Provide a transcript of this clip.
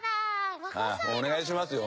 お願いしますよ